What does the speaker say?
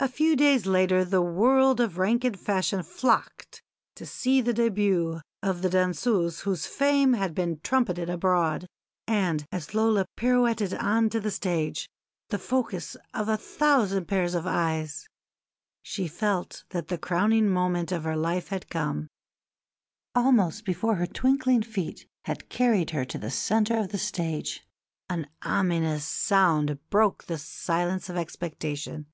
A few days later the world of rank and fashion flocked to see the début of the danseuse whose fame had been trumpeted abroad; and as Lola pirouetted on to the stage the focus of a thousand pairs of eyes she felt that the crowning moment of her life had come. Almost before her twinkling feet had carried her to the centre of the stage an ominous sound broke the silence of expectation.